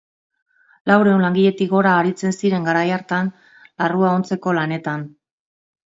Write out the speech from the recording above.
Laurehun langiletik gora aritzen ziren garai hartan larrua ontzeko lanetan.